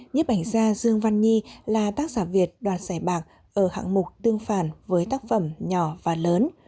nhiếp ảnh gia dương văn nhi là tác giả việt đoạt giải bạc ở hạng mục tương phản với tác phẩm nhỏ và lớn